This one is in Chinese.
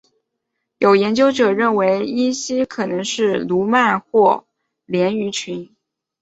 有研究者认为依西可能是鲈鳗或鲢鱼群。